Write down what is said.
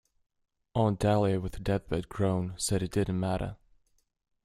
Aunt Dahlia, with a deathbed groan, said it didn't matter.